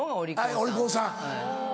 あっお利口さん。